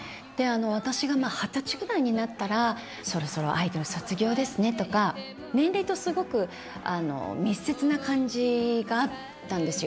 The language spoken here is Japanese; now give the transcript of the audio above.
私が２０歳ぐらいになったら、そろそろアイドル卒業ですねとか、年齢とすごく、密接な感じがあったんですよ。